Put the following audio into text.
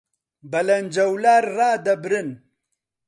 بەلەنجەولار ڕادەبرن